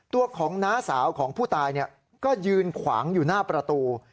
ตัวของน้าสาวของผู้ตายก็ยืนขวางอยู่หน้าประตู